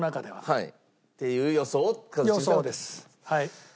はい！